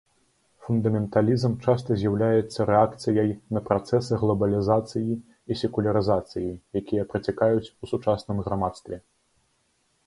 Фундаменталізм часта з'яўляецца рэакцыяй на працэсы глабалізацыі і секулярызацыі, якія працякаюць у сучасным грамадстве.